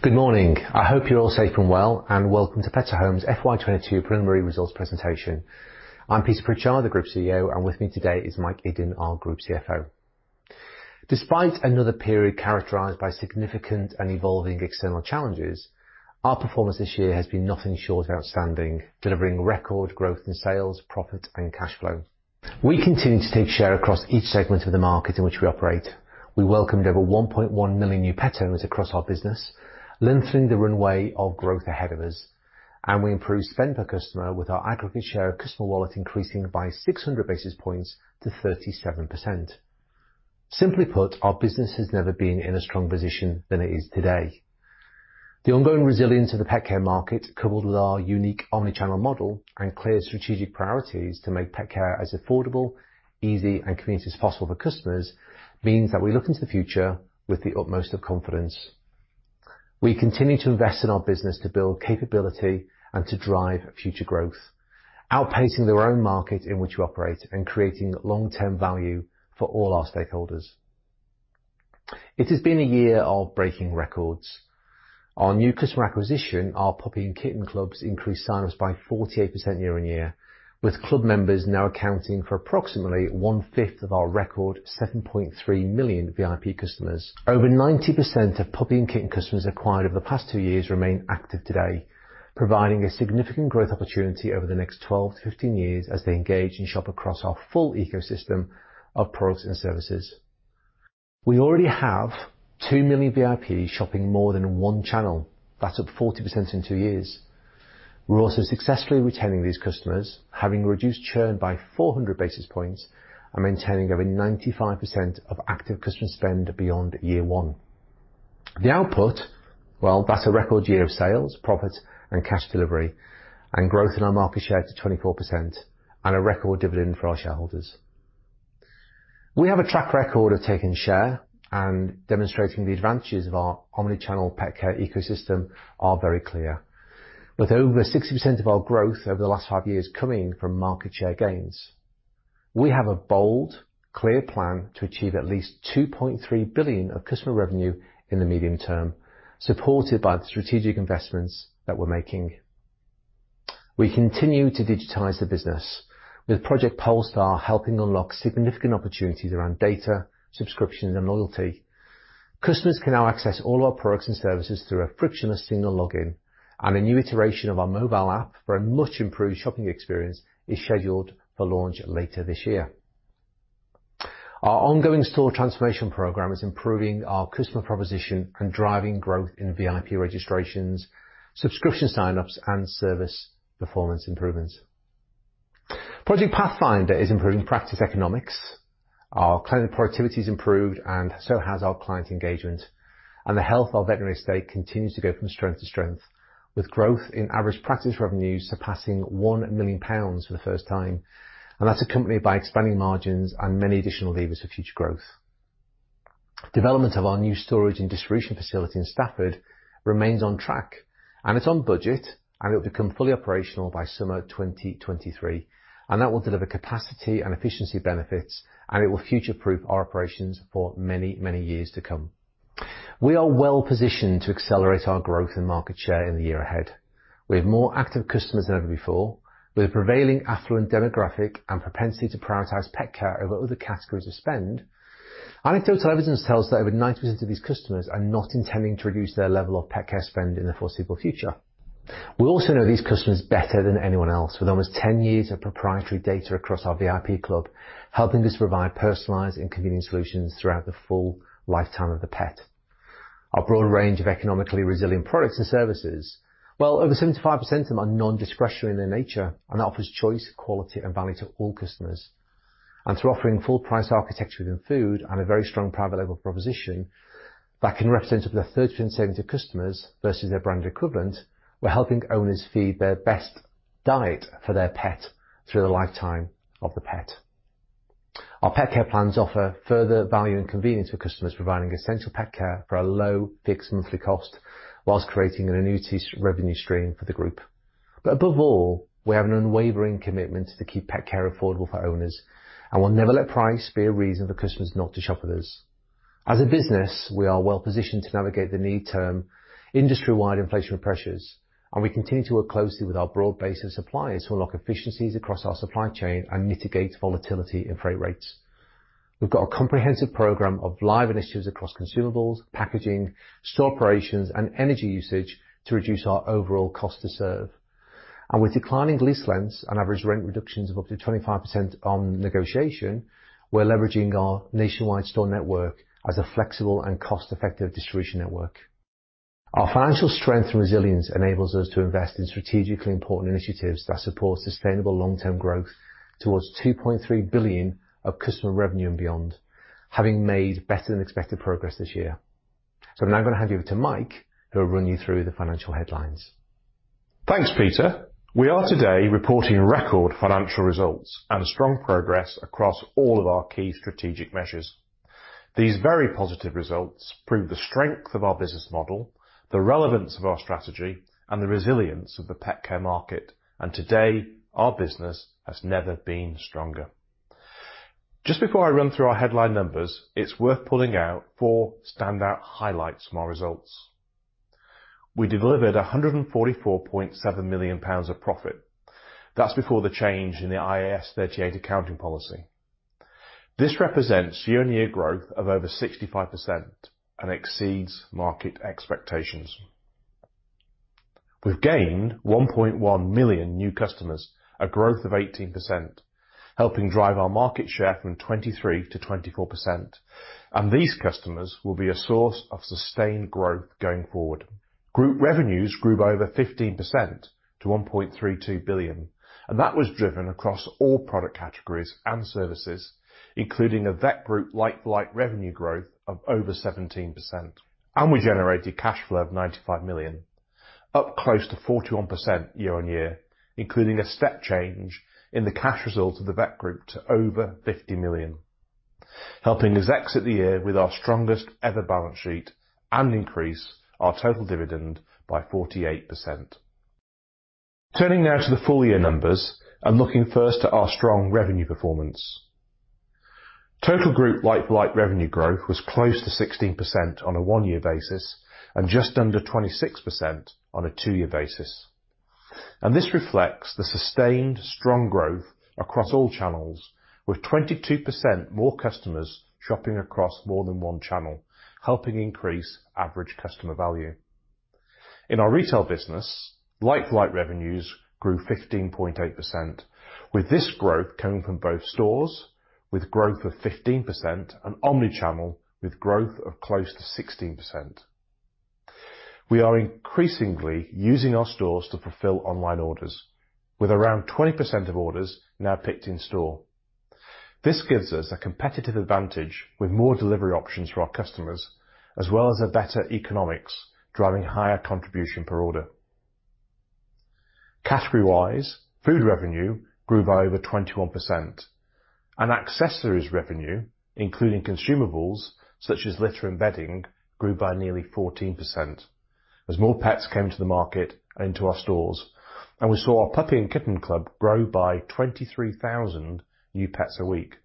Good morning. I hope you're all safe and well, and welcome to Pets at Home's FY 2022 preliminary results presentation. I'm Peter Pritchard, the Group CEO, and with me today is Mike Iddon, our Group CFO. Despite another period characterized by significant and evolving external challenges, our performance this year has been nothing short of outstanding, delivering record growth in sales, profit, and cash flow. We continue to take share across each segment of the market in which we operate. We welcomed over 1.1 million new pet owners across our business, lengthening the runway of growth ahead of us, and we improved spend per customer with our aggregate share of customer wallet, increasing by 600 basis points to 37%. Simply put, our business has never been in a strong position than it is today. The ongoing resilience of the pet care market, coupled with our unique omni-channel model and clear strategic priorities to make pet care as affordable, easy and convenient as possible for customers, means that we look into the future with the utmost of confidence. We continue to invest in our business to build capability and to drive future growth, outpacing their own market in which we operate and creating long-term value for all our stakeholders. It has been a year of breaking records. Our new customer acquisition, our Puppy & Kitten Clubs increased sign-ups by 48% year-on-year, with club members now accounting for approximately 1/5 of our record, 7.3 million VIP customers. Over 90% of Puppy & Kitten customers acquired over the past two years remain active today, providing a significant growth opportunity over the next 12-15 years as they engage and shop across our full ecosystem of products and services. We already have 2 million VIPs shopping more than one channel. That's up 40% in two years. We're also successfully retaining these customers, having reduced churn by 400 basis points and maintaining over 95% of active customer spend beyond year one. The output, well, that's a record year of sales, profit, and cash delivery, and growth in our market share to 24% and a record dividend for our shareholders. We have a track record of taking share and demonstrating the advantages of our omni-channel pet care ecosystem are very clear. With over 60% of our growth over the last five years coming from market share gains. We have a bold, clear plan to achieve at least 2.3 billion of customer revenue in the medium term, supported by the strategic investments that we're making. We continue to digitize the business with Project Polestar helping unlock significant opportunities around data, subscriptions, and loyalty. Customers can now access all our products and services through a frictionless single login, and a new iteration of our mobile app for a much improved shopping experience is scheduled for launch later this year. Our ongoing store transformation program is improving our customer proposition and driving growth in VIP registrations, subscription sign-ups, and service performance improvements. Project Pathfinder is improving practice economics. Our client productivity is improved and so has our client engagement, and the health of veterinary estate continues to go from strength to strength, with growth in average practice revenues surpassing 1 million pounds for the first time. That's accompanied by expanding margins and many additional levers for future growth. Development of our new storage and distribution facility in Stafford remains on track, and it's on budget, and it will become fully operational by summer 2023. That will deliver capacity and efficiency benefits, and it will future-proof our operations for many, many years to come. We are well-positioned to accelerate our growth in market share in the year ahead. We have more active customers than ever before. With a prevailing affluent demographic and propensity to prioritize pet care over other categories of spend, anecdotal evidence tells us that over 90% of these customers are not intending to reduce their level of pet care spend in the foreseeable future. We also know these customers better than anyone else, with almost 10 years of proprietary data across our VIP club helping us provide personalized and convenient solutions throughout the full lifetime of the pet. Our broad range of economically resilient products and services, while over 75% of them are non-discretionary in their nature and offers choice, quality and value to all customers. Through offering full price architecture within food and a very strong private label proposition that can represent up to a third of savings of customers versus their brand equivalent, we're helping owners feed their best diet for their pet through the lifetime of the pet. Our pet care plans offer further value and convenience for customers, providing essential pet care for a low fixed monthly cost while creating an annuity revenue stream for the group. Above all, we have an unwavering commitment to keep pet care affordable for owners, and we'll never let price be a reason for customers not to shop with us. As a business, we are well positioned to navigate the near term, industry-wide inflation pressures, and we continue to work closely with our broad base of suppliers to unlock efficiencies across our supply chain and mitigate volatility in freight rates. We've got a comprehensive program of live initiatives across consumables, packaging, store operations, and energy usage to reduce our overall cost to serve. With declining lease lengths and average rent reductions of up to 25% on negotiation, we're leveraging our nationwide store network as a flexible and cost-effective distribution network. Our financial strength and resilience enables us to invest in strategically important initiatives that support sustainable long-term growth towards 2.3 billion of customer revenue and beyond, having made better than expected progress this year. I'm now gonna hand you over to Mike, who will run you through the financial headlines. Thanks, Peter. We are today reporting record financial results and a strong progress across all of our key strategic measures. These very positive results prove the strength of our business model, the relevance of our strategy, and the resilience of the pet care market. Today, our business has never been stronger. Just before I run through our headline numbers, it's worth pulling out four standout highlights from our results. We delivered 144.7 million pounds of profit. That's before the change in the IAS 38 accounting policy. This represents year-on-year growth of over 65% and exceeds market expectations. We've gained 1.1 million new customers, a growth of 18%, helping drive our market share from 23% to 24%, and these customers will be a source of sustained growth going forward. Group revenues grew by over 15% to 1.32 billion, and that was driven across all product categories and services, including a Vet Group like-for-like revenue growth of over 17%. We generated cash flow of 95 million, up close to 41% year-on-year, including a step change in the cash results of the Vet Group to over 50 million, helping us exit the year with our strongest ever balance sheet and increase our total dividend by 48%. Turning now to the full year numbers and looking first at our strong revenue performance. Total group like-for-like revenue growth was close to 16% on a one-year basis and just under 26% on a two-year basis. This reflects the sustained strong growth across all channels with 22% more customers shopping across more than one channel, helping increase average customer value. In our retail business, like-for-like revenues grew 15.8%. With this growth coming from both stores with growth of 15% and omni-channel with growth of close to 16%. We are increasingly using our stores to fulfill online orders with around 20% of orders now picked in store. This gives us a competitive advantage with more delivery options for our customers, as well as a better economics driving higher contribution per order. Category-wise, food revenue grew by over 21% and accessories revenue, including consumables such as litter and bedding, grew by nearly 14% as more pets came to the market into our stores, and we saw our Puppy & Kitten Club grow by 23,000 new pets a week,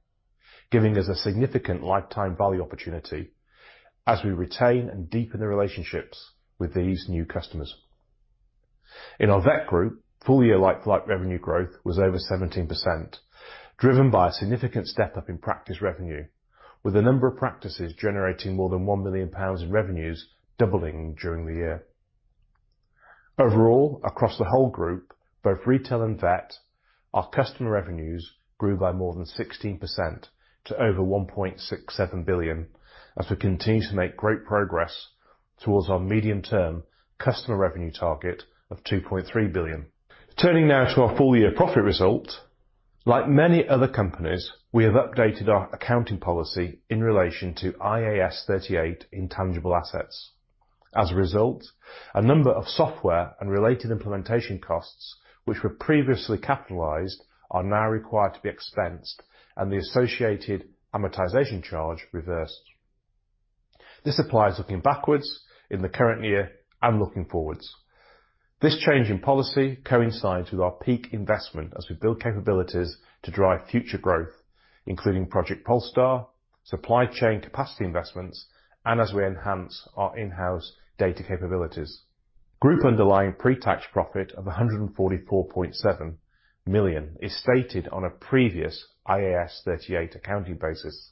giving us a significant lifetime value opportunity as we retain and deepen the relationships with these new customers. In our Vet Group, full year like-for-like revenue growth was over 17%, driven by a significant step-up in practice revenue, with a number of practices generating more than 1 million pounds in revenues doubling during the year. Overall, across the whole group, both retail and vet, our customer revenues grew by more than 16% to over 1.67 billion as we continue to make great progress towards our medium-term customer revenue target of 2.3 billion. Turning now to our full year profit result, like many other companies, we have updated our accounting policy in relation to IAS 38 intangible assets. As a result, a number of software and related implementation costs which were previously capitalized are now required to be expensed and the associated amortization charge reversed. This applies looking backwards in the current year and looking forwards. This change in policy coincides with our peak investment as we build capabilities to drive future growth, including Project Polestar, supply chain capacity investments, and as we enhance our in-house data capabilities. Group underlying pre-tax profit of 144.7 million is stated on a previous IAS 38 accounting basis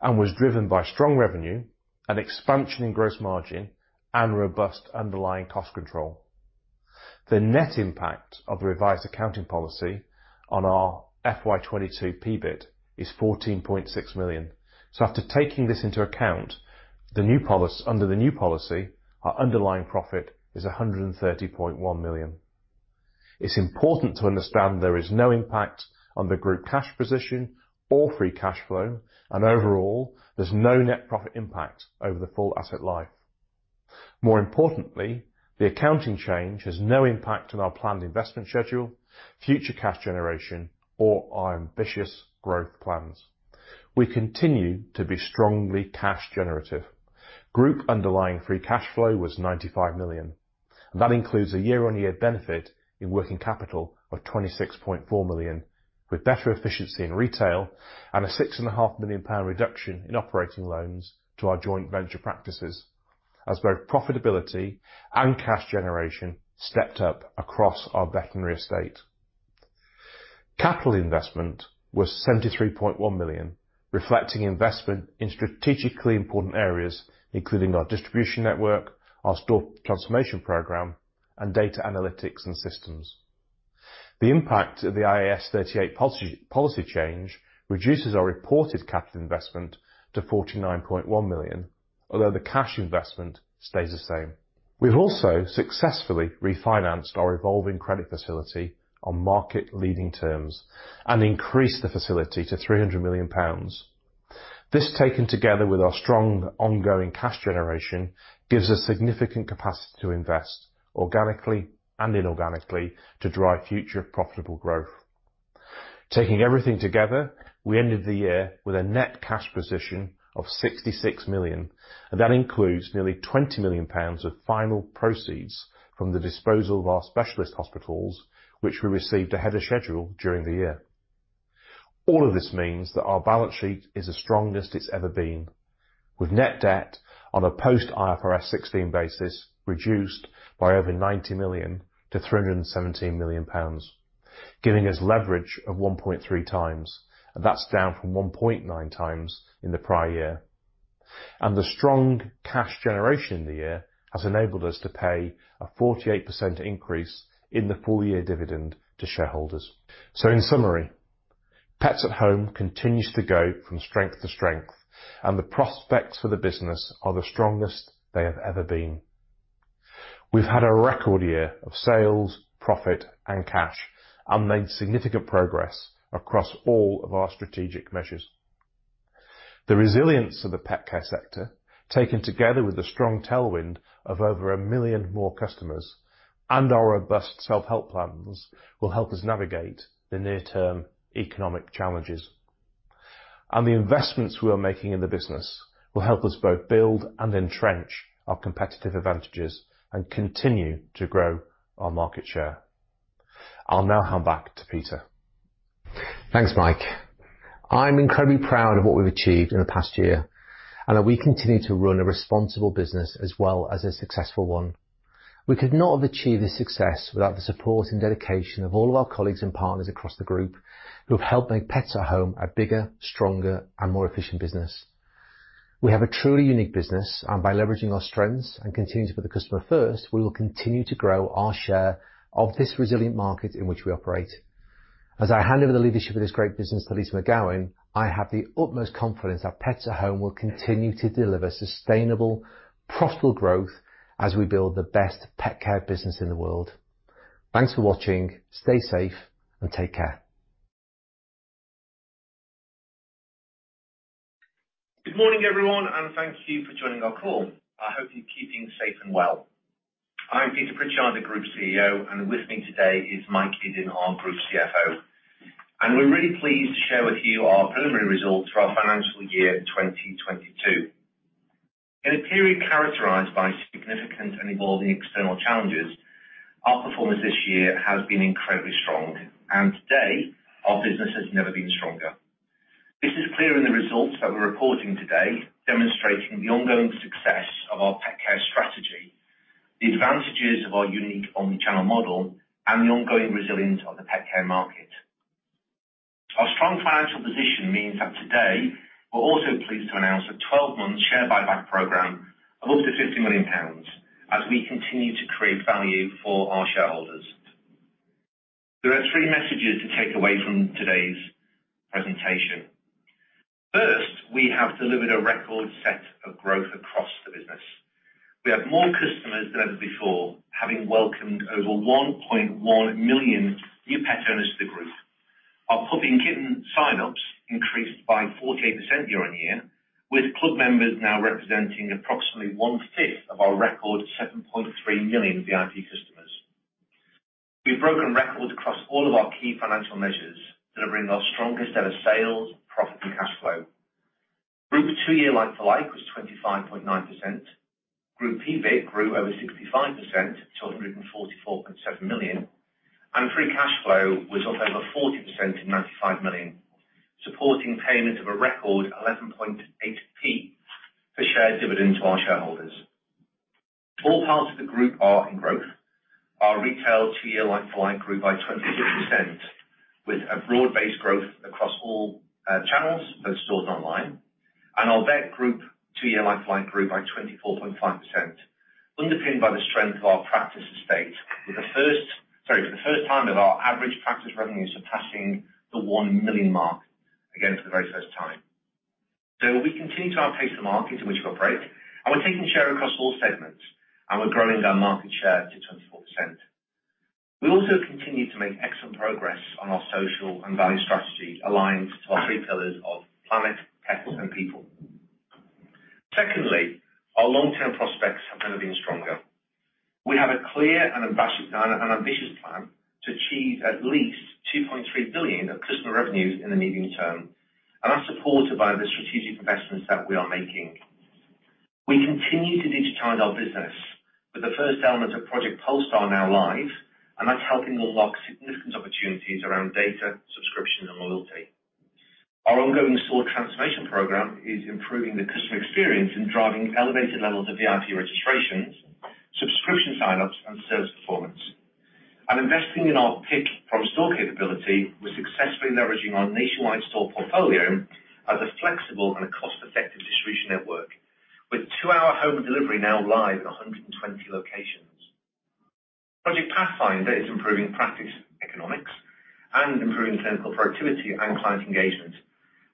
and was driven by strong revenue, an expansion in gross margin, and robust underlying cost control. The net impact of the revised accounting policy on our FY 2022 PBIT is 14.6 million. After taking this into account, under the new policy, our underlying profit is 130.1 million. It's important to understand there is no impact on the group cash position or free cash flow, and overall, there's no net profit impact over the full asset life. More importantly, the accounting change has no impact on our planned investment schedule, future cash generation, or our ambitious growth plans. We continue to be strongly cash generative. Group underlying free cash flow was 95 million. That includes a year-on-year benefit in working capital of 26.4 million, with better efficiency in retail and a 6.5 million pound reduction in operating loans to our joint venture practices, as both profitability and cash generation stepped up across our veterinary estate. Capital investment was 73.1 million, reflecting investment in strategically important areas, including our distribution network, our store transformation program, and data analytics and systems. The impact of the IAS 38 policy change reduces our reported capital investment to 49.1 million, although the cash investment stays the same. We've also successfully refinanced our revolving credit facility on market leading terms and increased the facility to 300 million pounds. This, taken together with our strong ongoing cash generation, gives us significant capacity to invest organically and inorganically to drive future profitable growth. Taking everything together, we ended the year with a net cash position of 66 million, and that includes nearly 20 million pounds of final proceeds from the disposal of our specialist hospitals, which we received ahead of schedule during the year. All of this means that our balance sheet is the strongest it's ever been, with net debt on a post IFRS 16 basis reduced by over 90 million-317 million pounds, giving us leverage of 1.3x. That's down from 1.9x in the prior year. The strong cash generation in the year has enabled us to pay a 48% increase in the full year dividend to shareholders. In summary, Pets at Home continues to go from strength to strength, and the prospects for the business are the strongest they have ever been. We've had a record year of sales, profit, and cash, and made significant progress across all of our strategic measures. The resilience of the pet care sector, taken together with the strong tailwind of over a million more customers and our robust self-help plans will help us navigate the near-term economic challenges. The investments we are making in the business will help us both build and entrench our competitive advantages and continue to grow our market share. I'll now hand back to Peter. Thanks, Mike. I'm incredibly proud of what we've achieved in the past year, and that we continue to run a responsible business as well as a successful one. We could not have achieved this success without the support and dedication of all of our colleagues and partners across the group who have helped make Pets at Home a bigger, stronger, and more efficient business. We have a truly unique business, and by leveraging our strengths and continuing to put the customer first, we will continue to grow our share of this resilient market in which we operate. As I hand over the leadership of this great business to Lyssa McGowan, I have the utmost confidence that Pets at Home will continue to deliver sustainable, profitable growth as we build the best pet care business in the world. Thanks for watching. Stay safe and take care. Good morning, everyone, and thank you for joining our call. I hope you're keeping safe and well. I'm Peter Pritchard, the Group CEO, and with me today is Mike Iddon, our Group CFO. We're really pleased to share with you our preliminary results for our financial year 2022. In a period characterized by significant and evolving external challenges, our performance this year has been incredibly strong, and today, our business has never been stronger. This is clear in the results that we're reporting today, demonstrating the ongoing success of our pet care strategy, the advantages of our unique omni-channel model, and the ongoing resilience of the pet care market. Our strong financial position means that today we're also pleased to announce a 12-month share buyback program of up to 50 million pounds as we continue to create value for our shareholders. There are three messages to take away from today's presentation. First, we have delivered a record set of growth across the business. We have more customers than ever before, having welcomed over 1.1 million new pet owners to the group. Our Puppy & Kitten signups increased by 48% year-over-year, with club members now representing approximately 1/5 of our record 7.3 million VIP customers. We've broken records across all of our key financial measures, delivering our strongest ever sales, profit, and cash flow. Group two-year like-for-like was 25.9%. Group EBIT grew over 65% to 144.7 million, and free cash flow was up over 40% to 95 million, supporting payment of a record 0.118 per share dividend to our shareholders. All parts of the group are in growth. Our retail two-year like-for-like grew by 26% with a broad-based growth across all channels, both stores and online. Our Vet Group two-year like-for-like grew by 24.5%, underpinned by the strength of our practice estate, for the first time our average practice revenue surpassing the 1 million mark, again for the very first time. We continue to outpace the market in which we operate, and we're taking share across all segments, and we're growing our market share to 24%. We also continue to make excellent progress on our social and value strategy aligned to our three pillars of planet, pets, and people. Secondly, our long-term prospects have never been stronger. We have a clear and ambitious plan to achieve at least 2.3 billion of customer revenues in the medium term, and are supported by the strategic investments that we are making. We continue to digitize our business with the first element of Project Polestar now live, and that's helping unlock significant opportunities around data, subscription, and loyalty. Our ongoing store transformation program is improving the customer experience and driving elevated levels of VIP registrations, subscription signups, and sales performance. Investing in our Click & Collect capability, we're successfully leveraging our nationwide store portfolio as a flexible and a cost-effective distribution network with two-hour home delivery now live in 120 locations. Project Pathfinder is improving practice economics and improving clinical productivity and client engagement,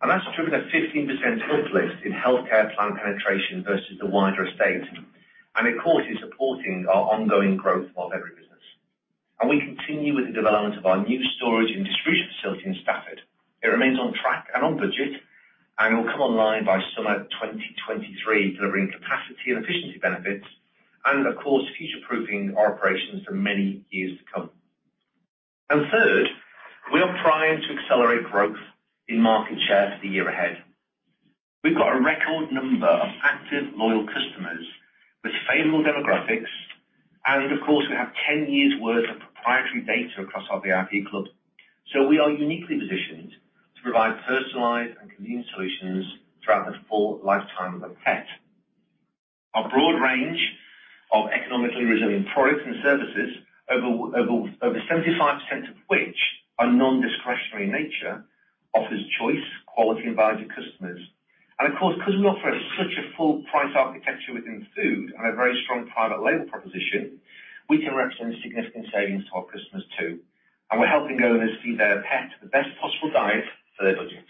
and that's driven a 15% uplift in healthcare plan penetration versus the wider estate. Of course, it's supporting our ongoing growth of every business. We continue with the development of our new storage and distribution facility in Stafford. It remains on track and on budget, and it will come online by summer 2023, delivering capacity and efficiency benefits, and of course, future-proofing our operations for many years to come. Third, we are primed to accelerate growth in market share for the year ahead. We've got a record number of active loyal customers, favorable demographics, and of course, we have 10 years' worth of proprietary data across our VIP club. We are uniquely positioned to provide personalized and convenient solutions throughout the full lifetime of a pet. Our broad range of economically resilient products and services, over 75% of which are non-discretionary nature, offers choice, quality, and value to customers. Of course, because we offer such a full price architecture within food and a very strong private label proposition, we can represent significant savings to our customers, too. We're helping owners feed their pet the best possible diet for their budget.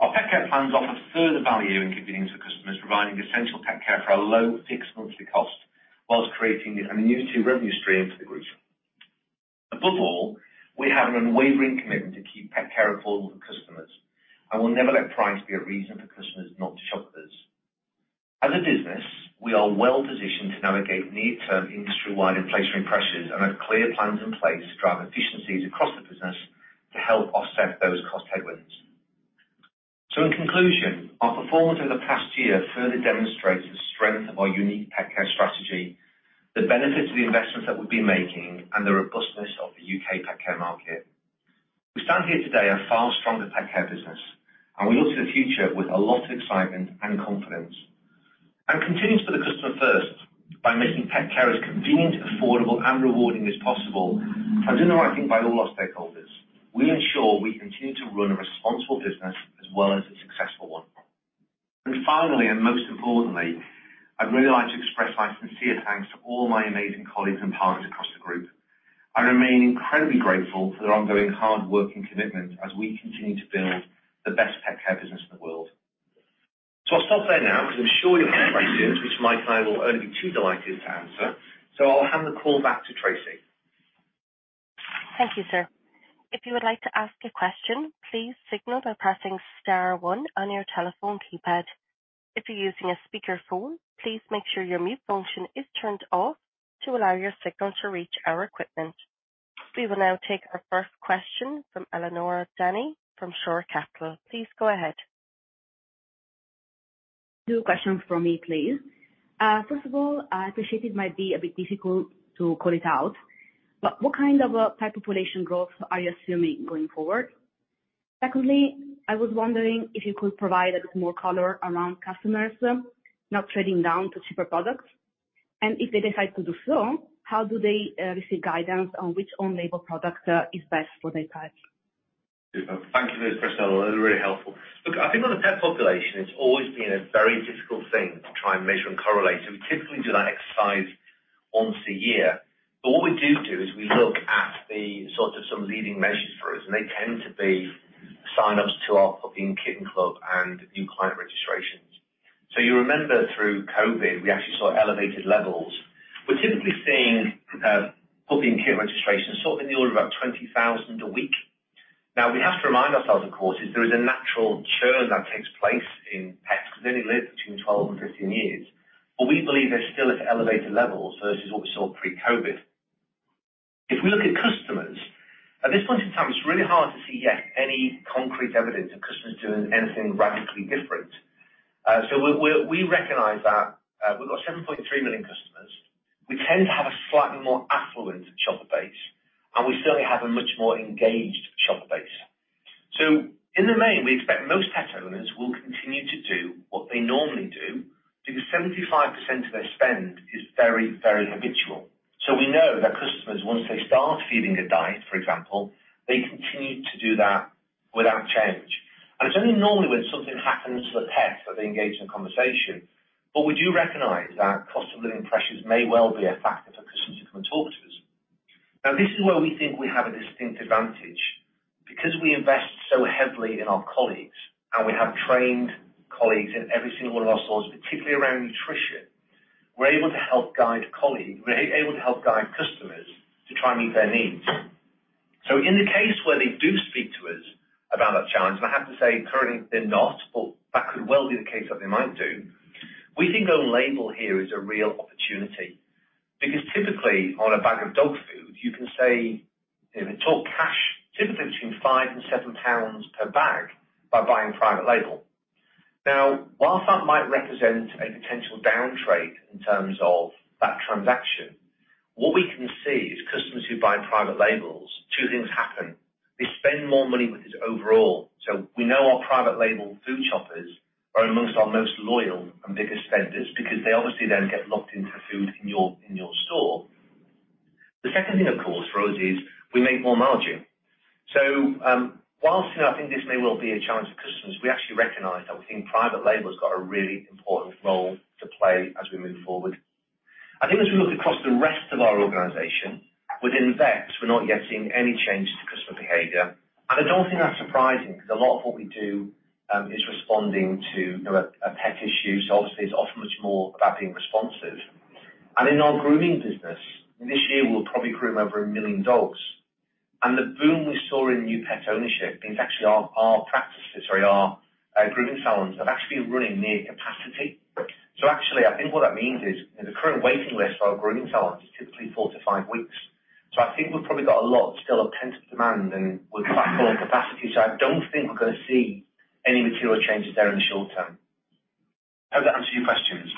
Our Pet Care plans offer further value in convenience for customers, providing essential pet care for a low fixed monthly cost while creating an annuity revenue stream for the group. Above all, we have an unwavering commitment to keep pet care affordable for customers and will never let price be a reason for customers not to shop with us. As a business, we are well-positioned to navigate near-term industry-wide inflationary pressures and have clear plans in place to drive efficiencies across the business to help offset those cost headwinds. In conclusion, our performance over the past year further demonstrates the strength of our unique pet care strategy, the benefit to the investments that we've been making, and the robustness of the U.K. pet care market. We stand here today a far stronger pet care business, and we look to the future with a lot of excitement and confidence. Continuing to put the customer first by making pet care as convenient, affordable, and rewarding as possible and doing the right thing by all our stakeholders. We ensure we continue to run a responsible business as well as a successful one. Finally, and most importantly, I'd really like to express my sincere thanks to all my amazing colleagues and partners across the group. I remain incredibly grateful for their ongoing hard work and commitment as we continue to build the best pet care business in the world. I'll stop there now because I'm sure you'll have questions which my team will only be too delighted to answer. I'll hand the call back to Tracy. Thank you, sir. If you would like to ask a question, please signal by pressing star one on your telephone keypad. If you're using a speakerphone, please make sure your mute function is turned off to allow your signal to reach our equipment. We will now take our first question from Eleonora Dani from Shore Capital. Please go ahead. Two questions from me, please. First of all, I appreciate it might be a bit difficult to call it out, but what kind of a pet population growth are you assuming going forward? Secondly, I was wondering if you could provide a bit more color around customers not trading down to cheaper products, and if they decide to do so, how do they receive guidance on which own label product is best for their pet? Thank you for those questions, Eleonora. They're really helpful. Look, I think on the pet population, it's always been a very difficult thing to try and measure and correlate. We typically do that exercise once a year. What we do is we look at the sort of some leading measures for us, and they tend to be sign-ups to our Puppy & Kitten Club and new client registrations. You remember through COVID, we actually saw elevated levels. We're typically seeing Puppy & Kitten registrations sort of in the order of about 20,000 a week. Now, we have to remind ourselves, of course, that there is a natural churn that takes place in pets because they only live between 12 and 15 years. We believe they're still at elevated levels versus what we saw pre-COVID. If we look at customers, at this point in time, it's really hard to see yet any concrete evidence of customers doing anything radically different. We recognize that we've got 7.3 million customers. We tend to have a slightly more affluent shopper base, and we certainly have a much more engaged shopper base. In the main, we expect most pet owners will continue to do what they normally do because 75% of their spend is very, very habitual. We know that customers, once they start feeding a diet, for example, they continue to do that without change. It's only normally when something happens to the pet that they engage in conversation. We do recognize that cost of living pressures may well be a factor for customers who come and talk to us. This is where we think we have a distinct advantage. Because we invest so heavily in our colleagues, and we have trained colleagues in every single one of our stores, particularly around nutrition, we're able to help guide customers to try and meet their needs. In the case where they do speak to us about that challenge, and I have to say currently they're not, but that could well be the case that they might do. We think own label here is a real opportunity. Because typically on a bag of dog food, you can save in total cash, typically between 5 and 7 pounds per bag by buying private label. Now, while that might represent a potential downtrade in terms of that transaction, what we can see is customers who buy private labels, two things happen. They spend more money with us overall. We know our private label food shoppers are among our most loyal and biggest spenders because they obviously then get locked into food in your store. The second thing, of course, for us is we make more margin. While, you know, I think this may well be a challenge for customers, we actually recognize that we think private label's got a really important role to play as we move forward. I think as we look across the rest of our organization, within vets, we're not yet seeing any changes to customer behavior, and I don't think that's surprising because a lot of what we do is responding to, you know, a pet issue. Obviously it's often much more about being responsive. In our grooming business, this year we'll probably groom over a million dogs. The boom we saw in new pet ownership means actually our grooming salons have actually been running near capacity. Actually, I think what that means is the current waiting list for our grooming salons is typically four to five weeks. I think we've probably got a lot still of pent-up demand, and we're flat on capacity, so I don't think we're gonna see any material changes there in the short term. Does that answer your questions?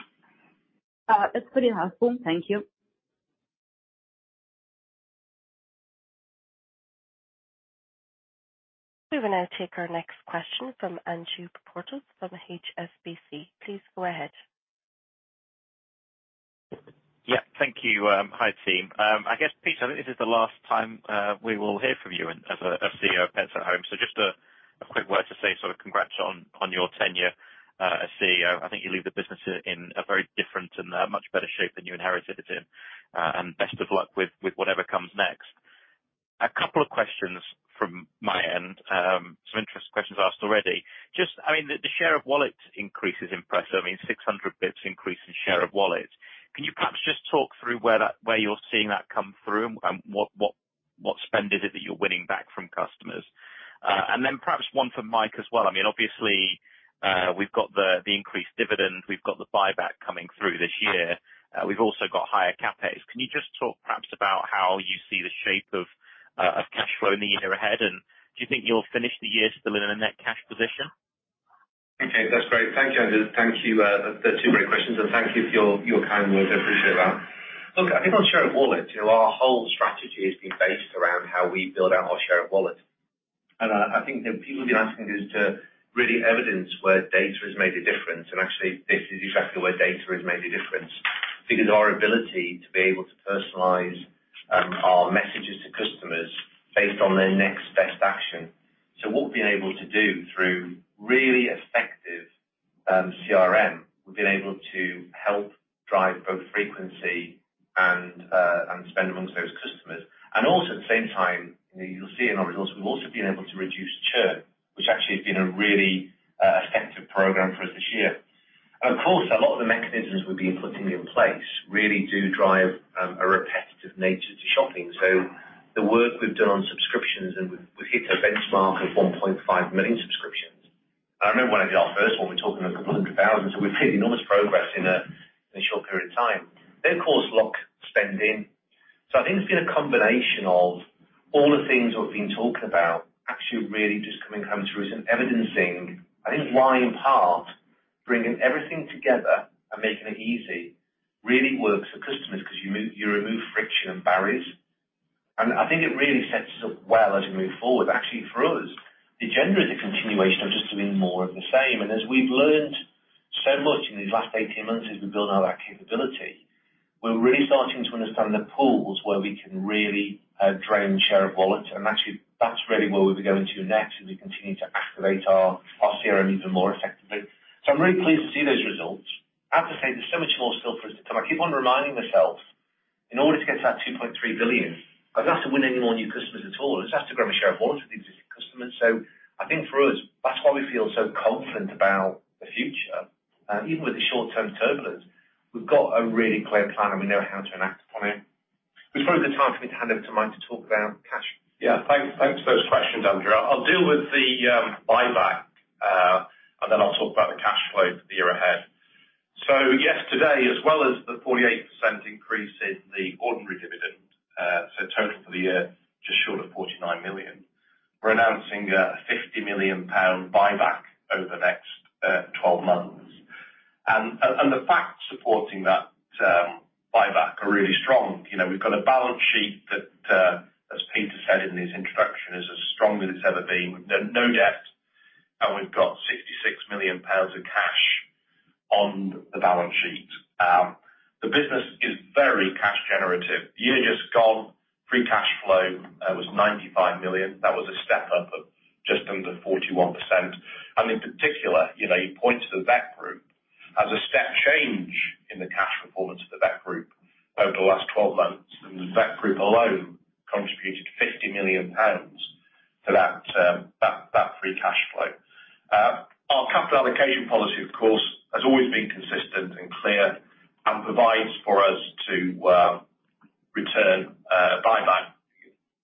It's pretty helpful. Thank you. We will now take our next question from Andrew Porteous from HSBC. Please go ahead. Yeah. Thank you. Hi, team. I guess, Peter, this is the last time we will hear from you as CEO of Pets at Home, so just a quick word to say sort of congrats on your tenure as CEO. I think you leave the business in a very different and a much better shape than you inherited it in. And best of luck with whatever comes next. A couple of questions from my end. Some interesting questions asked already. Just, I mean, the share of wallet increase is impressive. I mean, 600 basis points increase in share of wallet. Can you perhaps just talk through where you're seeing that come through and what spend is it that you're winning back from customers? And then perhaps one for Mike as well. I mean, obviously, we've got the increased dividend, we've got the buyback coming through this year. We've also got higher CapEx. Can you just talk perhaps about how you see the shape of cash flow in the year ahead? Do you think you'll finish the year still in a net cash position? Okay. That's great. Thank you, Andrew. Thank you. There are two great questions, and thank you for your kind words. I appreciate that. Look, I think on share of wallet, you know, our whole strategy has been based around how we build out our share of wallet. I think that people have been asking us to really evidence where data has made a difference. Actually, this is exactly where data has made a difference because our ability to be able to personalize our messages to customers based on their next best action. What we've been able to do through really effective CRM, we've been able to help drive both frequency and spend amongst those customers. Also at the same time, you'll see in our results, we've also been able to reduce churn, which actually has been a really effective program for us this year. Of course, a lot of the mechanisms we've been putting in place really do drive a repetitive nature to shopping. The work we've done on subscriptions, and we've hit a benchmark of 1.5 million subscriptions. I remember when I did our first one, we're talking a couple of 100,000. We've made enormous progress in a short period of time. They, of course, lock spending. I think it's been a combination of all the things we've been talking about actually really just coming home to us and evidencing, I think why, in part, bringing everything together and making it easy really works for customers because you remove friction and barriers. I think it really sets us up well as we move forward. Actually, for us, the agenda is a continuation of just doing more of the same. As we've learned so much in these last 18 months as we build out our capability, we're really starting to understand the pools where we can really drain share of wallet. Actually, that's really where we'll be going to next as we continue to activate our CRM even more effectively. I'm really pleased to see those results. I have to say there's so much more still for us to come. I keep on reminding myself, in order to get to that 2.3 billion, I don't have to win any more new customers at all. It's just to grow my share of wallet with existing customers. I think for us, that's why we feel so confident about the future. Even with the short-term turbulence, we've got a really clear plan, and we know how to enact upon it. With further time, I'm going to hand over to Mike to talk about cash. Yeah. Thanks for those questions, Andrew. I'll deal with the buyback and then I'll talk about the cash flow for the year ahead. Yes, today, as well as the 48% increase in the ordinary dividend, so total for the year, just short of 49 million, we're announcing a 50 million pound buyback over the next 12 months. The facts supporting that buyback are really strong. You know, we've got a balance sheet that, as Peter said in his introduction, is as strong as it's ever been. We've no debt, and we've got 66 million pounds of cash on the balance sheet. The business is very cash generative. The year just gone, free cash flow was 95 million. That was a step up of just under 41%. In particular, you know, you point to the Vet Group as a step change in the cash performance of the Vet Group over the last 12 months. The Vet Group alone contributed 50 million pounds to that free cash flow. Our capital allocation policy, of course, has always been consistent and clear and provides for us to return buyback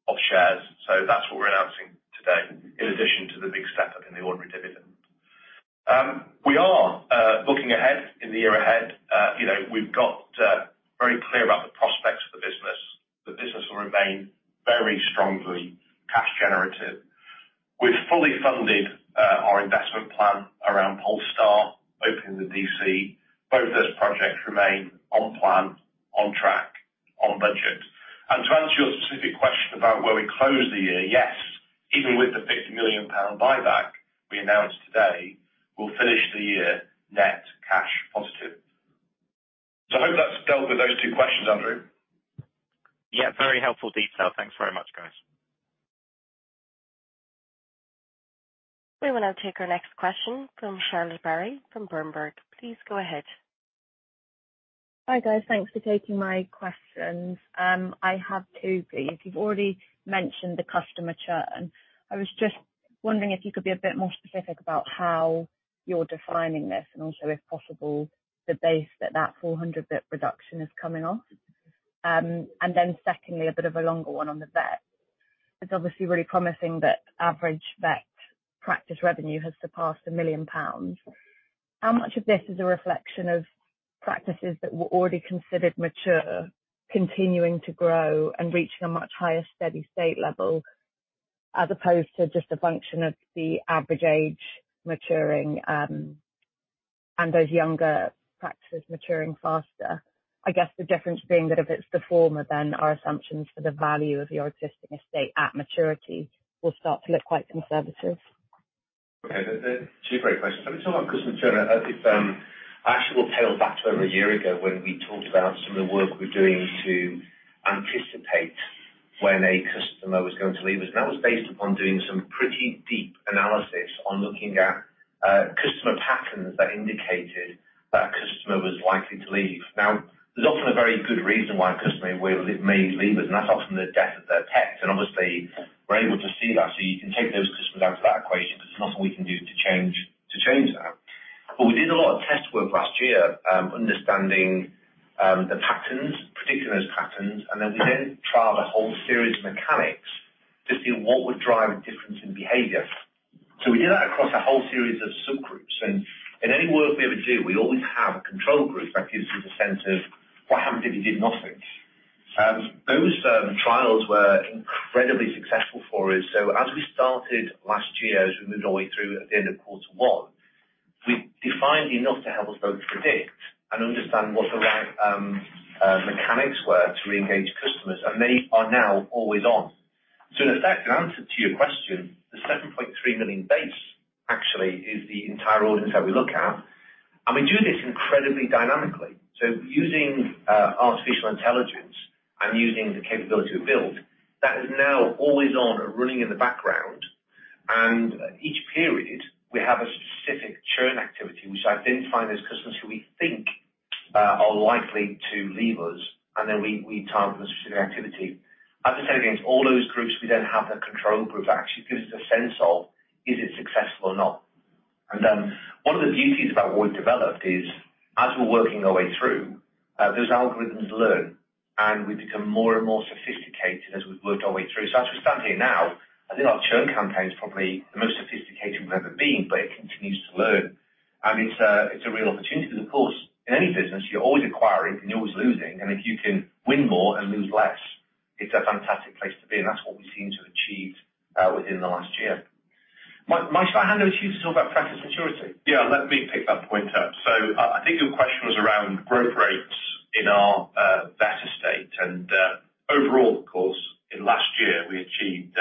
of shares. That's what we're announcing today, in addition to the big step-up in the ordinary dividend. We are looking ahead in the year ahead. You know, we've got very clear about the prospects for the business. The business will remain very strongly cash generative. We've fully funded our investment plan around Polestar, opening the DC. Both those projects remain on plan, on track, on budget. To answer your specific question about where we close the year, yes, even with the 50 million pound buyback we announced today, we'll finish the year net cash positive. I hope that's dealt with those two questions, Andrew. Yeah, very helpful detail. Thanks very much, guys. We will now take our next question from Charlotte Barrie from Berenberg. Please go ahead. Hi, guys. Thanks for taking my questions. I have two, please. You've already mentioned the customer churn. I was just wondering if you could be a bit more specific about how you're defining this and also, if possible, the base that that 400 basis points reduction is coming off. Secondly, a bit of a longer one on the vet. It's obviously really promising that average vet practice revenue has surpassed 1 million pounds. How much of this is a reflection of practices that were already considered mature continuing to grow and reaching a much higher steady state level, as opposed to just a function of the average age maturing, and those younger practices maturing faster? I guess the difference being that if it's the former, then our assumptions for the value of your existing estate at maturity will start to look quite conservative. Okay. Two great questions. Let me talk about customer churn. I'll actually take it back to over a year ago when we talked about some of the work we're doing to anticipate when a customer was going to leave us, and that was based upon doing some pretty deep analysis on looking at customer patterns that indicated that a customer was likely to leave. Now, there's often a very good reason why a customer may leave us, and that's often the death of their pet. Obviously we're able to see that. You can take those customers out of that equation 'cause there's nothing we can do to change that. We did a lot of test work last year, understanding the patterns, predicting those patterns, and then we trialed a whole series of mechanics to see what would drive a difference in behavior. We did that across a whole series of subgroups. In any work we ever do, we always have a control group that gives you the sense of what happens if you did nothing. Those trials were incredibly successful for us. As we started last year, as we moved our way through at the end of quarter one, we defined enough to help us both predict and understand what the right mechanics were to reengage customers, and many are now always on. In effect, in answer to your question, the 7.3 million base actually is the entire audience that we look at. We do this incredibly dynamically. Using artificial intelligence and using the capability we've built, that is now always on and running in the background. Each period we have a specific churn activity, which identifies customers who we think are likely to leave us, and then we target them with a specific activity. As I said, against all those groups, we then have the control group that actually gives us a sense of is it successful or not. One of the beauties about what we've developed is, as we're working our way through, those algorithms learn, and we become more and more sophisticated as we've worked our way through. As we stand here now, I think our churn campaign is probably the most sophisticated we've ever been, but it continues to learn. It's a real opportunity because of course, in any business you're always acquiring and you're always losing. If you can win more and lose less, it's a fantastic place to be. That's what we seem to have achieved within the last year. Mike, shall I hand over to you to talk about practice maturity? Yeah, let me pick that point up. I think your question was around growth rates in our vet estate. Overall, of course, in last year we achieved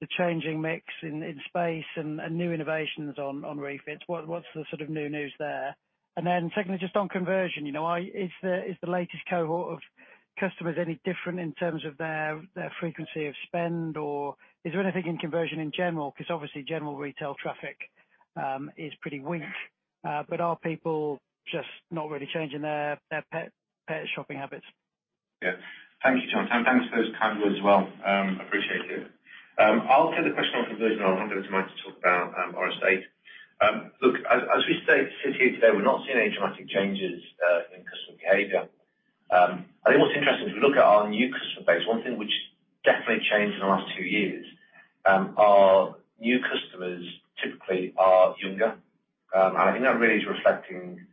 the changing mix in space and new innovations on refits? What's the sort of new news there? Then secondly, just on conversion, you know, is the latest cohort of customers any different in terms of their frequency of spend? Or is there anything in conversion in general? 'Cause obviously general retail traffic is pretty weak. But are people just not really changing their pet shopping habits? Yeah. Thank you, Jonathan, and thanks for those kind words as well. Appreciate it. I'll take the question on conversion and I'll hand over to Mike to talk about our estate. Look, as we sit here today, we're not seeing any dramatic changes in customer behavior. I think what's interesting, if we look at our new customer base, one thing which definitely changed in the last two years, our new customers typically are younger. I think that really is reflecting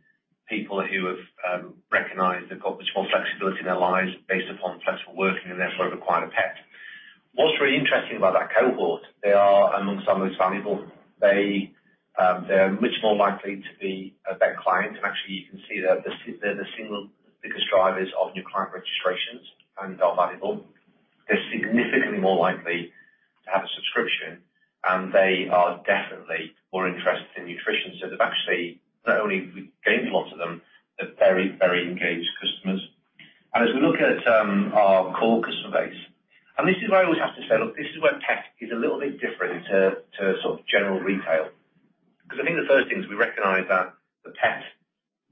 people who have recognized they've got much more flexibility in their lives based upon flexible working and therefore require a pet. What's really interesting about that cohort, they are among our most valuable. They're much more likely to be a vet client. Actually, you can see they're the single biggest drivers of new client registrations and are valuable. They're significantly more likely to have a subscription, and they are definitely more interested in nutrition. They've actually not only have we gained a lot of them, they're very, very engaged customers. As we look at our core customer base, and this is why I always have to say, look, this is where pet is a little bit different to sort of general retail. 'Cause I think the first thing is we recognize that the pet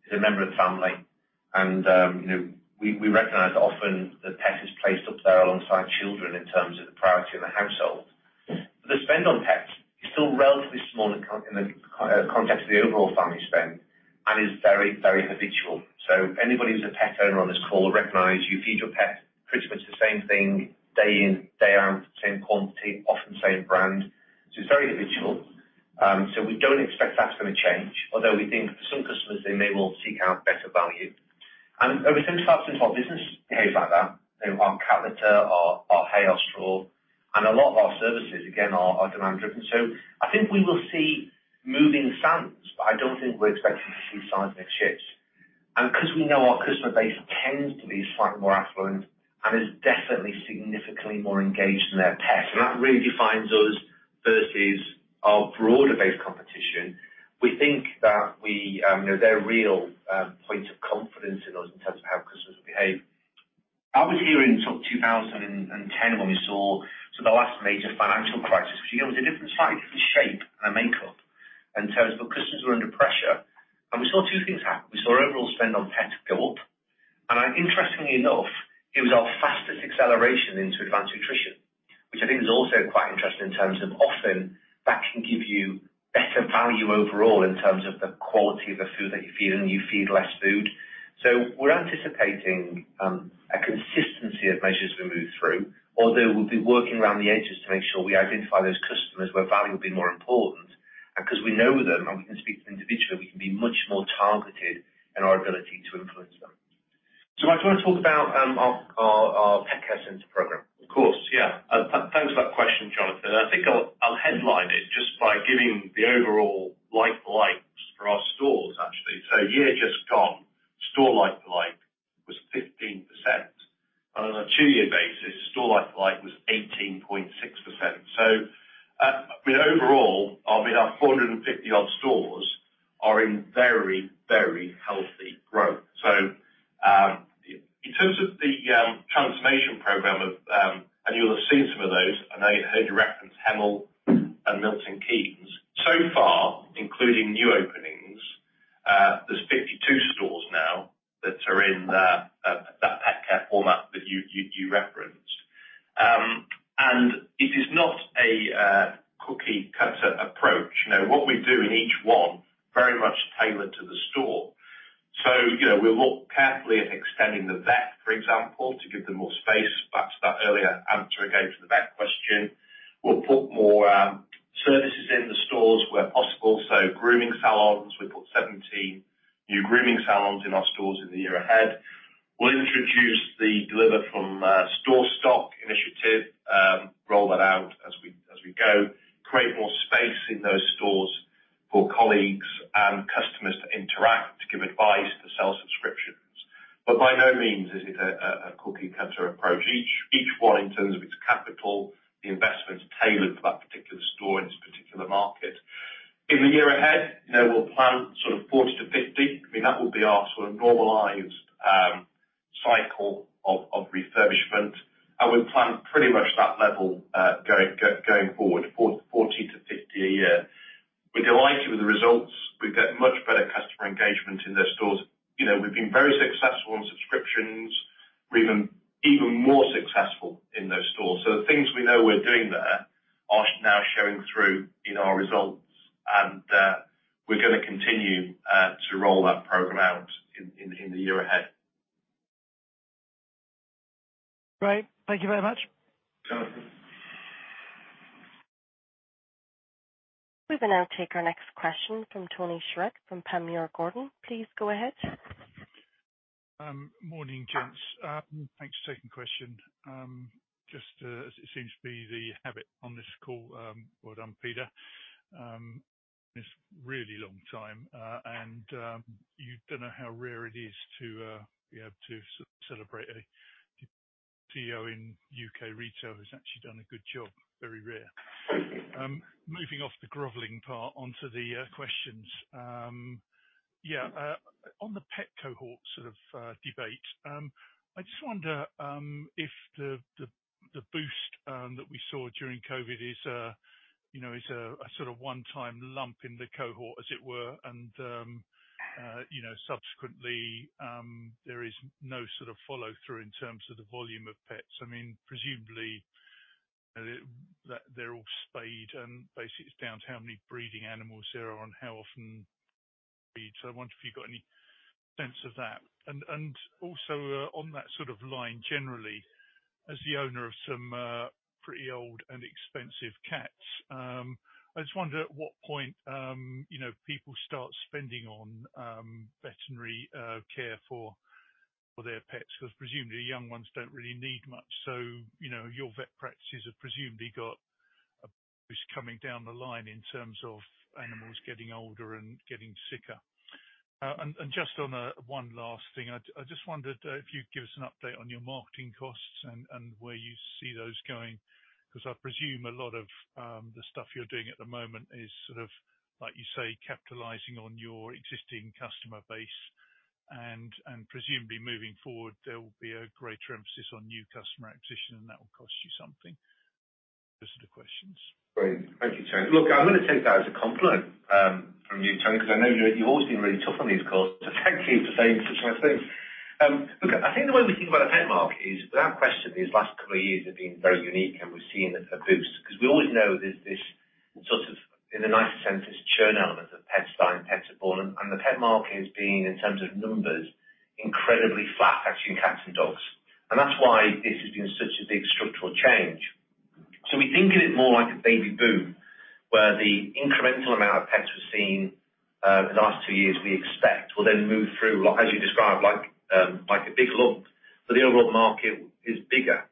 is a member of the family and, you know, we recognize often the pet is placed up there alongside children in terms of the priority in the household. The spend on pets is still relatively small in the context of the overall family spend and is very, very habitual. Anybody who's a pet owner on this call will recognize you feed your pet pretty much the same thing day in, day out, same quantity, often same brand. It's very habitual. We don't expect that's gonna change. Although we think for some customers, they may well seek out better value. I would say the rest of our business behaves like that. You know, our cat litter, our hay or straw, and a lot of our services again, are demand driven. I think we will see moving sands, but I don't think we're expecting to see seismic shifts. Because we know our customer base tends to be slightly more affluent and is definitely significantly more engaged in their pet, and that really defines us versus our broader base competition, we think that we, you know, there are real points of confidence in us in terms of how customers behave. I was here in sort of 2010 when we saw sort of the last major financial crisis, which, you know, was a different size, different shape, and a makeup in terms of customers were under pressure. We saw two things happen. We saw overall spend on pet go up. Interestingly enough, it was our fastest acceleration into advanced nutrition, which I think is also quite interesting in terms of often that can give you better value overall in terms of the quality of the food that you're feeding, you feed less food. We're anticipating a consistency of measures we move through, although we'll be working around the edges to make sure we identify those customers where value will be more important. 'Cause we know them and we can speak to them individually, we can be much more targeted in our ability to influence them. Mike, do you wanna talk about our Pet Care Centre program? Of course, yeah. Thanks for that question, Jonathan. I think I'll headline it just by giving the overall like-for-like for our stores actually. Year just gone, store like-for-like was 15%. On a two-year basis, store like-for-like was 18.6%. I mean, overall, our 450-odd stores are in very, very healthy growth. In terms of the transformation program, and you'll have seen some of those. I know. Your reference to Hemel and Milton Keynes. So far, including new openings, there's 52 stores now that are in that Pet Care format that you referenced. It is not a cookie-cutter approach. You know, what we do in each one very much tailored to the store. You know, we'll look carefully be the habit on this call, well done, Peter. It's really long time, and you don't know how rare it is to be able to celebrate any CEO in U.K. retail has actually done a good job. Very rare. Moving off the groveling part onto the questions. Yeah. On the pet cohort sort of debate, I just wonder if the boost that we saw during COVID is, you know, is a sort of one time lump in the cohort, as it were, and you know, subsequently, there is no sort of follow through in terms of the volume of pets. I mean, presumably, they're all spayed and basically it's down to how many breeding animals there are and how often so I wonder if you got any sense of that. Also, on that sort of line, generally, as the owner of some pretty old and expensive cats, I just wonder at what point, you know, people start spending on veterinary care for their pets, because presumably young ones don't really need much. You know, your vet practices have presumably got a boost coming down the line in terms of animals getting older and getting sicker. Just on one last thing. I just wondered if you'd give us an update on your marketing costs and where you see those going, 'cause I presume a lot of the stuff you're doing at the moment is sort of, like you say, capitalizing on your existing customer base, and presumably moving forward, there will be a greater emphasis on new customer acquisition and that will cost you something. Those are the questions. Great. Thank you, Tony. Look, I'm gonna take that as a compliment from you, Tony, 'cause I know you've always been really tough on me, of course. So thank you for saying such nice things. Look, I think the way we think about the pet market is without question, these last couple of years have been very unique and we've seen a boost 'cause we always know there's this sort of, in a nice sense, this churn element of pets die and pets are born, and the pet market has been, in terms of numbers, incredibly flat actually in cats and dogs. That's why this has been such a big structural change. We think of it more like a baby boom, where the incremental amount of pets we've seen in the last two years, we expect will then move through, like, as you described, like a big lump, but the overall market is bigger.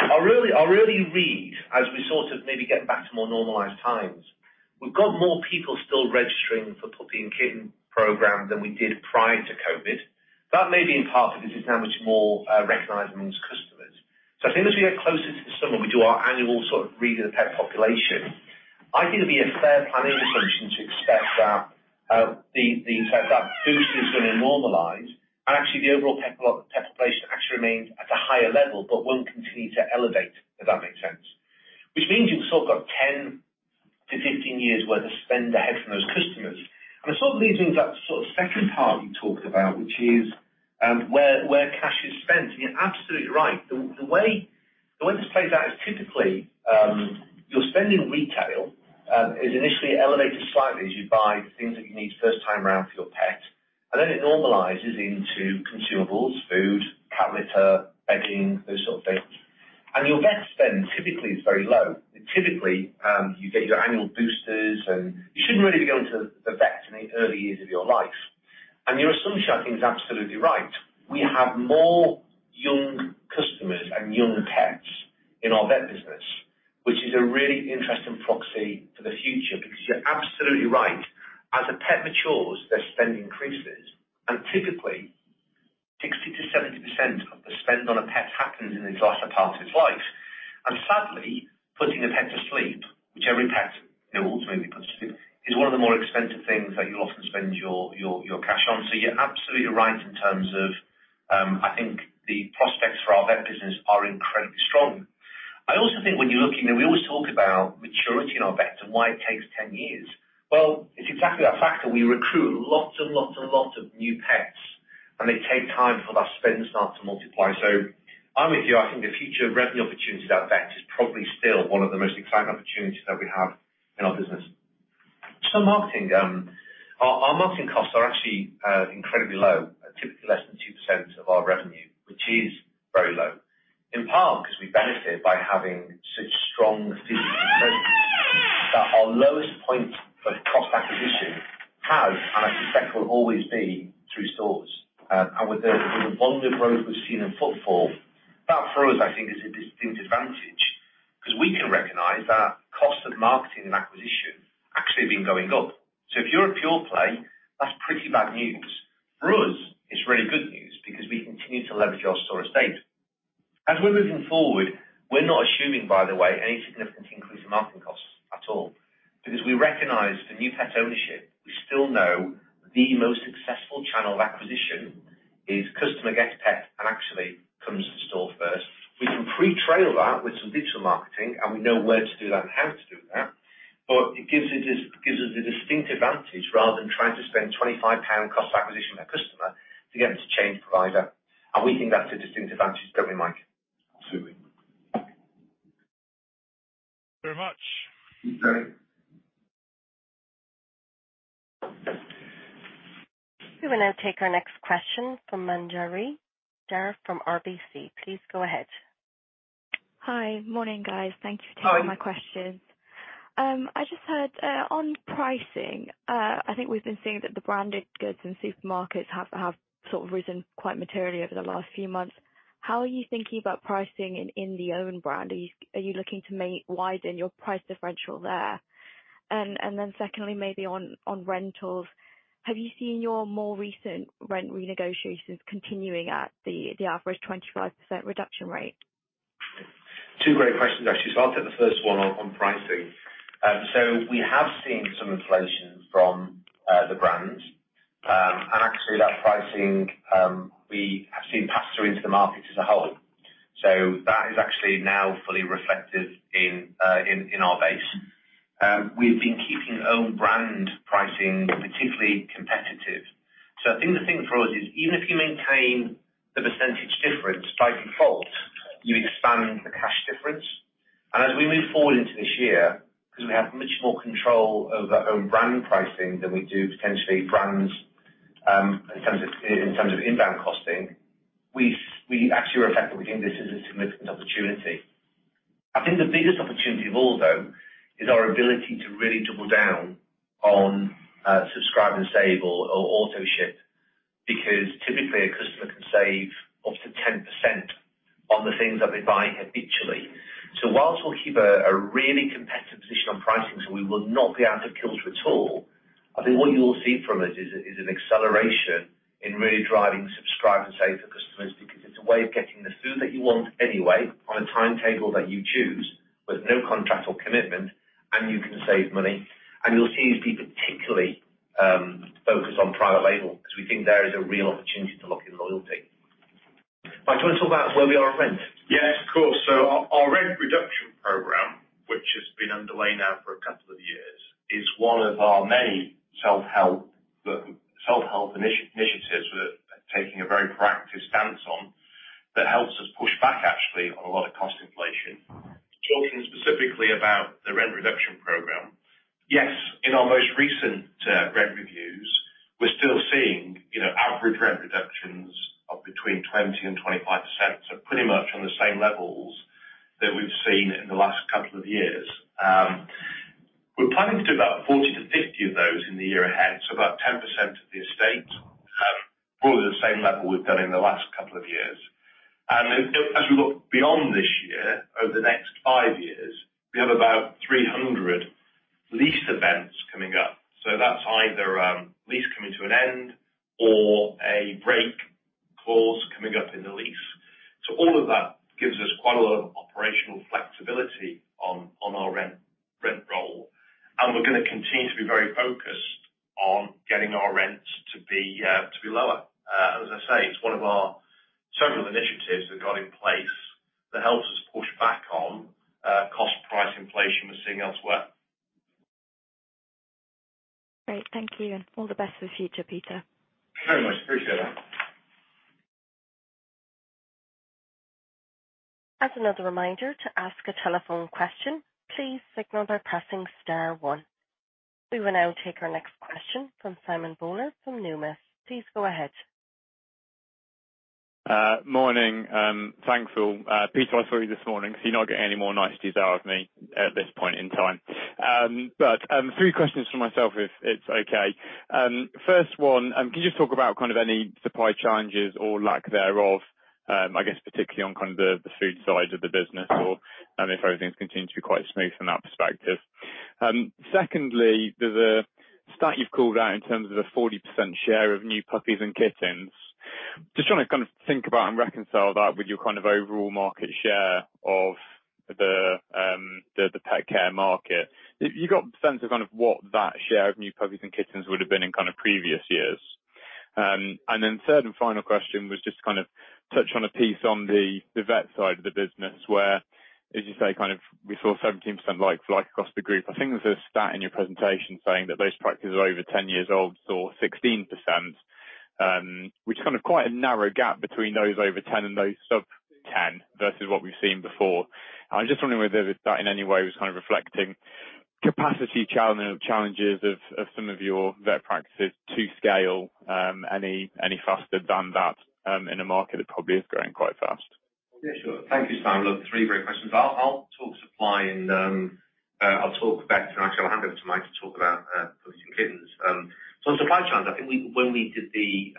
I really read as we sort of maybe get back to more normalized times. We've got more people still registering for Puppy & Kitten Club than we did prior to COVID. That may be in part because it's now much more recognizable to customers. I think as we get closer to the summer, we do our annual sort of read of the pet population. I think it'd be a fair planning assumption to expect that the fact that boost is gonna normalize and actually the overall pet population actually remains at a higher level, but won't continue to elevate. Does that make sense? Which means you've sort of got 10-15 years worth of spend ahead from those customers. It sort of leads me into that sort of second part you talked about, which is where cash is spent. You're absolutely right. The way this plays out is typically your spend in retail is initially elevated slightly as you buy things that you need first time around for your pet. Then it normalizes into consumables, food, cat litter, bedding, those sort of things. Your vet spend typically is very low. Typically, you get your annual boosters and you shouldn't really be going to the vet in the early years of your life. Your assumption I think is absolutely right. We have more young customers and young pets in our vet business, which is a really interesting proxy for the future because you're absolutely right. As a pet matures, their spend increases, and typically 60%-70% of the spend on a pet happens in the latter part of its life. Sadly, putting a pet to sleep, which every pet they will ultimately be put to sleep, is one of the more expensive things that you'll often spend your cash on. You're absolutely right in terms of, I think the prospects for our vet business are incredibly strong. I also think when you're looking and we always talk about maturity in our vets and why it takes 10 years. It's exactly that factor. We recruit lots and lots and lots of new vets and they take time for that spend start to multiply. I'm with you. I think the future revenue opportunities at our vet is probably still one of the most exciting opportunities that we have in our business. Marketing, our marketing costs are actually incredibly low, typically less than 2% of our revenue, which is very low. In part because we benefit by having such strong physical presence that our lowest point of cost acquisition have, and I suspect will always be, through stores. With the volume of growth we've seen in footfall, that for us, I think is a distinct advantage because we can recognize that cost of marketing and acquisition actually been going up. If you're a pure play, that's pretty bad news. For us, it's really good news because we continue to leverage our store estate. As we're moving forward, we're not assuming, by the way, any significant increase in marketing costs at all because we recognize for new pet ownership, we still know the most successful channel of acquisition is customer gets pet and actually comes to store first. We can pre-trial that with some digital marketing, and we know where to do that and how to do that, but it gives us a distinct advantage rather than trying to spend 25 pound cost acquisition per customer to get them to change provider. We think that's a distinct advantage, don't we, Mike? Absolutely. Thank you very much. Thanks, Tony. We will now take our next question from Manjari Dhar from RBC Capital Markets. Please go ahead. Hi. Morning, guys. Thank you for... Hi. Taking my questions. I just had on pricing, I think we've been seeing that the branded goods in supermarkets have sort of risen quite materially over the last few months. How are you thinking about pricing in the own brand? Are you looking to widen your price differential there? Then secondly, maybe on rentals, have you seen your more recent rent renegotiations continuing at the average 25% reduction rate? Two great questions, actually. I'll take the first one on pricing. We have seen some inflation from the brands. Actually that pricing we have seen pass through into the market as a whole. That is actually now fully reflected in our base. We've been keeping own brand pricing particularly competitive. I think the thing for us is even if you maintain the percentage difference, by default, you expand the cash difference. As we move forward into this year, because we have much more control over own brand pricing than we do potentially brands, in terms of inbound costing, we actually are effectively seeing this as a significant opportunity. I think the biggest opportunity of all, though, is our ability to really double down on Subscribe and Save or auto ship, because typically a customer can save up to 10% on the things that they're buying habitually. While we'll keep a really competitive position on pricing, so we will not be out of kilter at all, I think what you'll see from us is an acceleration in really driving Subscribe and Save for customers, because it's a way of getting the food that you want anyway on a timetable that you choose with no contract or commitment, and you can save money, and you'll see us be particularly focused on private label, because we think there is a real opportunity to lock in loyalty. Mike, do you want to talk about where we are on rent? Yes, of course. Our rent reduction program, which has been underway now for a couple of years, is one of our many self-help initiatives we're taking a very proactive stance on that helps us push back actually on a lot of cost inflation. Talking specifically about the rent reduction program, yes, in our most recent rent reviews, we're still seeing, you know, average rent reductions of between 20% and 25%, so pretty much on the same levels that we've seen in the last couple of years. We're planning to do about 40-50 of those in the year ahead, so about 10% of the estate. Probably the same level we've done in the last couple of years. We look beyond this year, over the next five years, we have about 300 lease events coming up. That's either a lease coming to an end or a break clause coming up in the lease. All of that gives us quite a lot of operational flexibility on our rent roll, and we're gonna continue to be very focused on getting our rents to be lower. As I say, it's one of our several initiatives we've got in place that helps us push back on cost price inflation we're seeing elsewhere. Great. Thank you, and all the best for the future, Peter. Very much. Appreciate that. As another reminder, to ask a telephone question, please signal by pressing star one. We will now take our next question from Simon Bowler from Numis. Please go ahead. Morning. Thanks, all. Peter, I saw you this morning, so you're not getting any more niceties out of me at this point in time. Three questions from myself, if it's okay. First one, can you just talk about kind of any supply challenges or lack thereof, I guess particularly on kind of the food side of the business or, if everything's continuing to be quite smooth from that perspective. Secondly, there's a stat you've called out in terms of the 40% share of new puppies and kittens. Just trying to kind of think about and reconcile that with your kind of overall market share of the pet care market. Have you got a sense of kind of what that share of new puppies and kittens would have been in kind of previous years? Third and final question was just to kind of touch on a piece on the vet side of the business where, as you say, kind of we saw 17% like-for-like across the group. I think there's a stat in your presentation saying that those practices over 10 years old saw 16%, which is kind of quite a narrow gap between those over 10 and those sub-10 versus what we've seen before. I'm just wondering whether that in any way was kind of reflecting capacity challenges of some of your vet practices to scale any faster than that in a market that probably is growing quite fast. Yeah, sure. Thank you, Simon. Look, three great questions. I'll talk supply and I'll talk vets, and actually I'll hand over to Mike to talk about puppies and kittens. On supply chains, I think we when we did the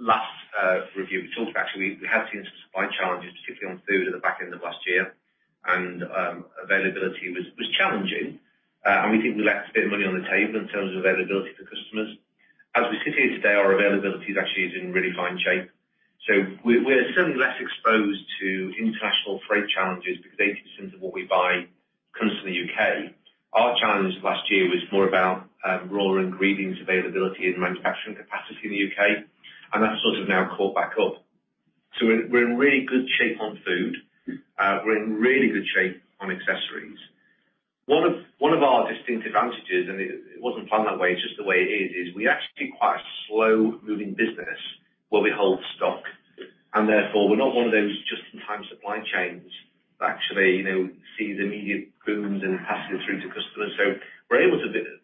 last review, we talked actually, we had seen some supply challenges, particularly on food at the back end of last year. Availability was challenging, and we think we left a bit of money on the table in terms of availability for customers. As we sit here today, our availability is actually in really fine shape. We're certainly less exposed to international freight challenges because 80% of what we buy comes from the U.K. Our challenge last year was more about raw ingredients availability and manufacturing capacity in the U.K., and that's sort of now caught back up. We're in really good shape on food. We're in really good shape on accessories. One of our distinct advantages, and it wasn't planned that way, it's just the way it is we actually are quite a slow-moving business where we hold stock, and therefore, we're not one of those two supply chains actually, you know, see the immediate booms and pass it through to customers.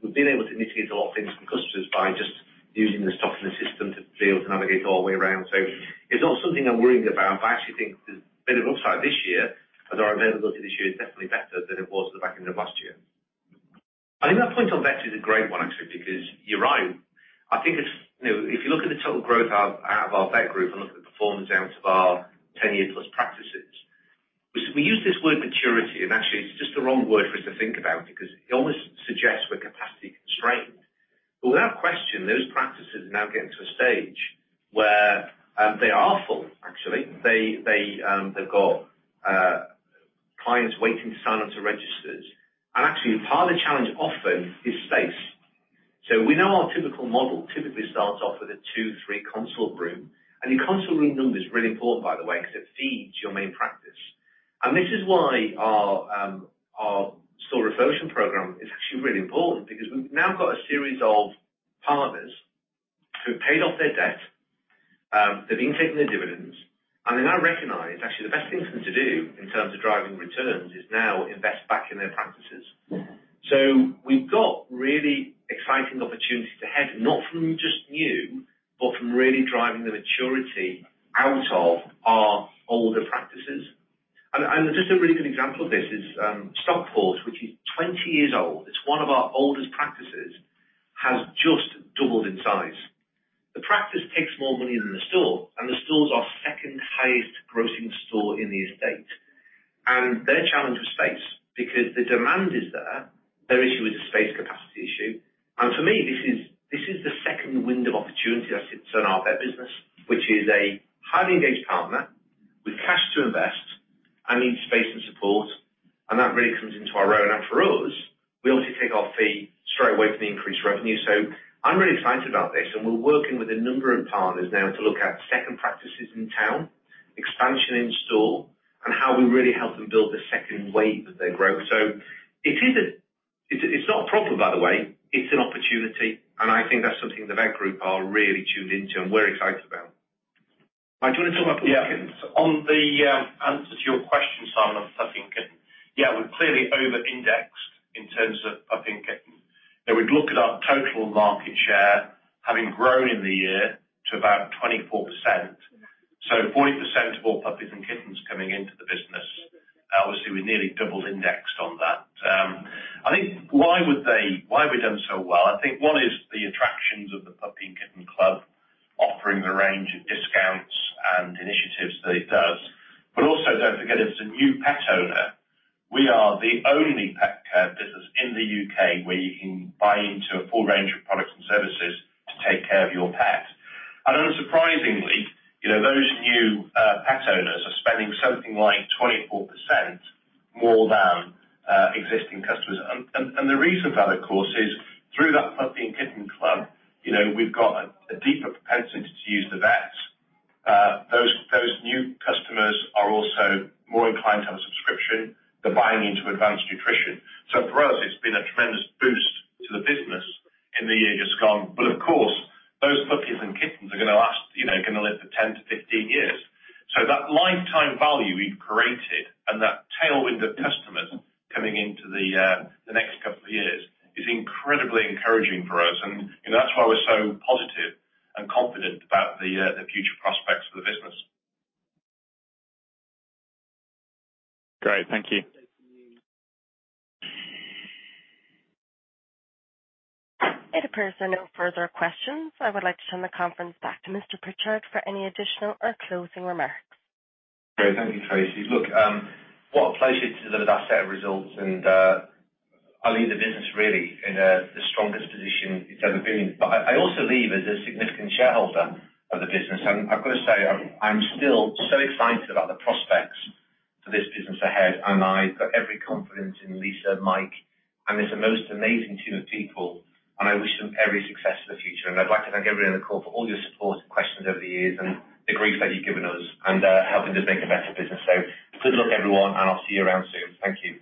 We've been able to mitigate a lot of things for customers by just using the stock in the system to be able to navigate our way around. It's not something I'm worried about, but I actually think there's a bit of upside this year as our availability this year is definitely better than it was at the back end of last year. I think that point on Vet is a great one actually, because you're right. I think it's, you know, if you look at the total growth out of our Vet Group and look at the performance out of our 10 year+ practices, we use this word maturity, and actually it's just the wrong word for us to think about because it almost suggests we're capacity constrained. Without question, those practices are now getting to a stage where they are full, actually. They've got clients waiting to sign up to registers. Actually part of the challenge often is space. We know our typical model typically starts off with a two, three consult room. Your consult room number is really important, by the way, 'cause it feeds your main practice. This is why our store transformation program is actually really important because we've now got a series of partners who paid off their debt. They've been taking their dividends and they now recognize actually the best thing for them to do in terms of driving returns is now invest back in their practices. We've got really exciting opportunities ahead, not from just new, but from really driving the maturity out of our older practices. Just a really good example of this is Stockport which is 20 years old, it's one of our oldest practices, has just doubled in size. The practice takes more money than the store, and the store's our second highest grossing store in the estate. Their challenge is space because the demand is there. Their issue is a space capacity issue. For me, this is the second wind of opportunity I see in our vet business, which is a highly engaged partner with cash to invest and needs space and support. That really comes into our own. For us, we obviously take our fee straight away from the increased revenue. I'm really excited about this. We're working with a number of partners now to look at second practices in town, expansion in store and how we really help them build the second wave of their growth. It's not a problem by the way, it's an opportunity, and I think that's something the Vet Group are really tuned into and we're excited about. Mike, do you want to talk about puppies? Yeah. On the answer to your question, Simon, I think, yeah, we've clearly over-indexed in terms of, I think, you know, we'd look at our total market share having grown in the year to about 24%. So 40% of all puppies and kittens coming into the business. Obviously we nearly doubled indexed on that. I think why we've done so well, I think one is the attractions of the Puppy & Kitten Club offering the range of discounts and initiatives that it does. But also don't forget if it's a new pet owner, we are the only pet care business in the U.K. where you can buy into a full range of products and services to take care of your pet. Unsurprisingly, you know, those new pet owners are spending something like 24% more than existing customers. The reason for that of course is through that Puppy & Kitten Club, you know, we've got a deeper propensity to use the vets. Those new customers are also more inclined to have a subscription. They're buying into advanced nutrition. So for us it's been a tremendous boost to the business in the year just gone. But of course those puppies and kittens are gonna last, you know, gonna live for 10-15 years. So that lifetime value we've created and that tailwind of customers coming into the next couple of years is incredibly encouraging for us and, you know, that's why we're so positive and confident about the future prospects for the business. Great. Thank you. It appears there are no further questions. I would like to turn the conference back to Mr. Pritchard for any additional or closing remarks. Great. Thank you, Tracy. Look, what a pleasure to deliver that set of results and, I leave the business really in, the strongest position it's ever been in. I also leave as a significant shareholder of the business. I've got to say I'm still so excited about the prospects for this business ahead and I've got every confidence in Lyssa, Mike, and the most amazing team of people and I wish them every success for the future. I'd like to thank everyone on the call for all your support and questions over the years and the grief that you've given us and helping us make a better business. Good luck everyone and I'll see you around soon. Thank you.